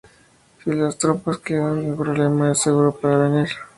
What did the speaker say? Si las tropas quedan, el problema es seguro para venir.